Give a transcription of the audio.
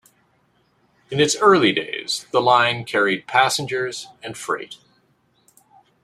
In its early days the line carried passengers and freight.